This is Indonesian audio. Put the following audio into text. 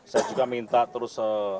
saya juga minta terus